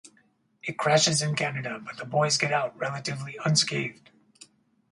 It crashes in Canada, but the boys get out relatively unscathed.